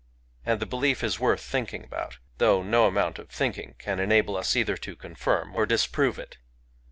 And the belief is worth thinking about — though no amount of thinking can enable us either to confirm or to disprove it.